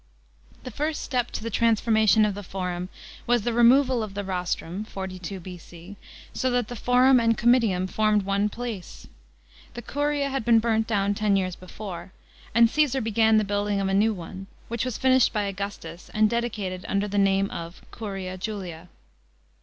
The first step to 142 BOME UNDEB AUGUSTUS. CHAP. x. the transformation of the Forum, was the removal of the rostrum (42 B.C.), so that the Forum and Comitium formed one place. The Curia had been burnt down ten years before, and Caesar began tKe building of a new one, which was finished by Augustus and dedicated under the name of Curia Julia.